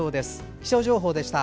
気象情報でした。